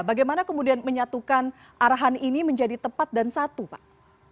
bagaimana kemudian menyatukan arahan ini menjadi tepat dan satu pak